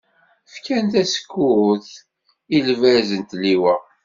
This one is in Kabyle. Fkan tasekkurt, i lbaz n tliwa.